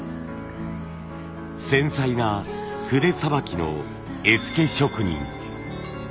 繊細な筆さばきの絵付け職人。